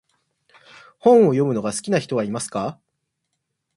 本を読むのが好きな人はいますか？